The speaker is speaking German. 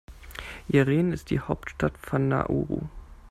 Yaren ist die Hauptstadt von Nauru.